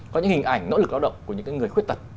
có những hình ảnh nỗ lực lao động của những người khuyết tật